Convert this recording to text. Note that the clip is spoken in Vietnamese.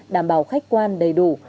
đảm bảo khách quan đầy đủ